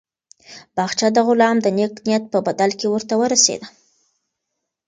باغچه د غلام د نېک نیت په بدل کې ورته ورسېده.